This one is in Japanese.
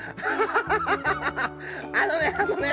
あのねあのね！